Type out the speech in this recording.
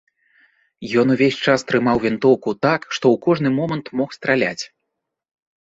Ён увесь час трымаў вінтоўку так, што ў кожны момант мог страляць.